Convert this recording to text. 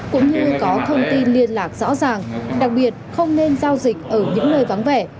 cũng như có thông tin liên lạc rõ ràng đặc biệt không nên giao dịch ở những nơi vắng vẻ